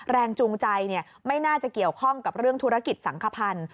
แรงจูงใจไม่น่าจะเกี่ยวข้องกับเรื่องธุรกิจสังขพันธ์